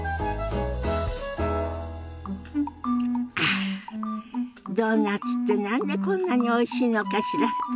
あドーナツって何でこんなにおいしいのかしら。